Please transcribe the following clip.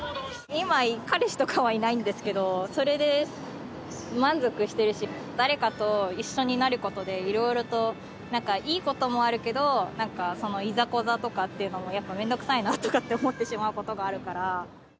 今、彼氏とかはいないんですけど、それで満足してるし、誰かと一緒になることで、いろいろとなんかいいこともあるけど、いざこざとかっていうのも、やっぱめんどくさいなって思ってしまうことがあるから。